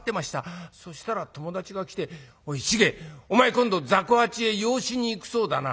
そしたら友達が来て『おい繁お前今度ざこ八へ養子に行くそうだな。